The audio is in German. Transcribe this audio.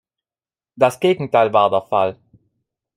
Das Gegenteil war der Fall!